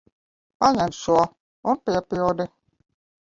Paņem šo un piepildi.